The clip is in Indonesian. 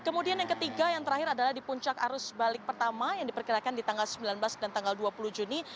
kemudian yang ketiga yang terakhir adalah di puncak arus balik pertama yang diperkirakan di tanggal sembilan belas dan tanggal dua puluh juni